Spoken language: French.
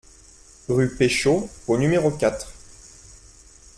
Rue Pechaud au numéro quatre